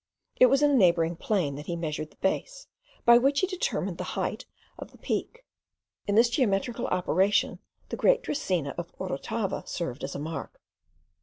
It was in a neighbouring plain that he measured the base, by which he determined the height of the Peak. In this geometrical operation the great dracaena of Orotava served as a mark.